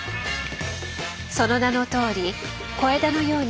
その名のとおり「小枝のように」